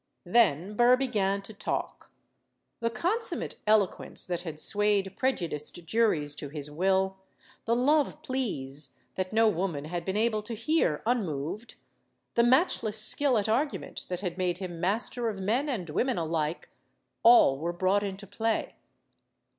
Then Burr began to talk. The consummate eloquence that had swayed prejudiced juries to his will, the love pleas that no woman had been able to hear unmoved, the match MADAME JUMEL 109 less skill at argument that had made him master of men and women alike all were brought into play.